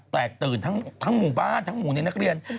แตกตื่นทั้งหมู่บ้านทั้งหมู่ในนักเรียน